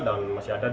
dan masih ada